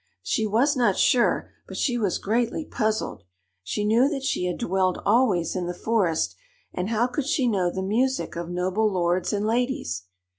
She was not sure, but she was greatly puzzled. She knew that she had dwelled always in the forest, and how could she know the music of noble lords and ladies?